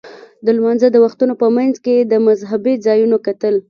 د لمانځه د وختونو په منځ کې مذهبي ځایونه کتل.